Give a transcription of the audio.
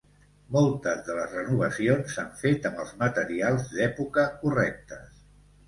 Moltes de les renovacions s'han fet amb els materials d'època correctes.